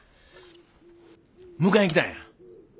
迎えに来たんや。